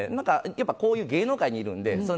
こういう芸能界にいるので。